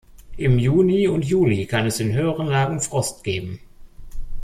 Im Juni und Juli kann es in höheren Lagen Frost geben.